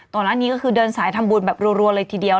ก่อนหน้านี้ก็คือเดินสายทำบุญแบบรัวเลยทีเดียว